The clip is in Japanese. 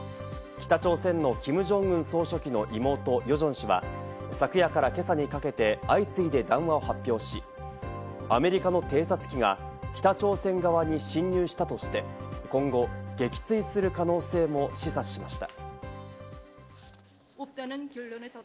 北朝鮮のキム・ジョンウン総書記の妹・ヨジョン氏は昨夜から今朝にかけて相次いで談話を発表し、アメリカの偵察機が北朝鮮側に侵入したとして、今後、撃墜する可能性も示唆しました。